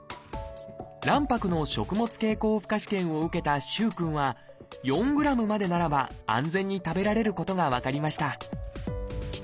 卵白の食物経口負荷試験を受けた萩くんは４ｇまでならば安全に食べられることが分かりました